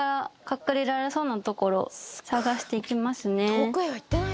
遠くへは行ってない？